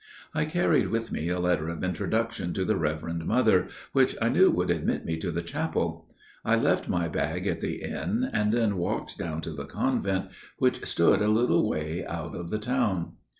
I carried with me a letter of introduction to the Reverend Mother, which I knew would admit me to the chapel. I left my bag at the inn, and then walked down to the convent, which stood a little way out of the town.